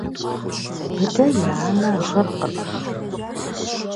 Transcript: Быдэ и анэ гъыркъым.